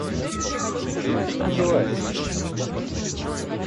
Как это называется?